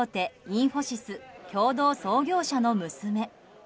インフォシス共同創業者の娘。